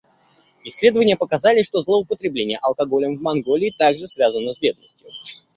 Исследования показали, что злоупотребление алкоголем в Монголии также связано с бедностью.